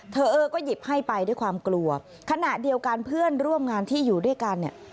เออเออก็หยิบให้ไปด้วยความกลัวขณะเดียวกันเพื่อนร่วมงานที่อยู่ด้วยกันเนี่ย